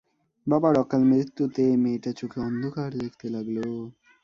বাবার অকালমৃত্যুতে মেয়েটা চোখে অন্ধকার দেখতে লাগল।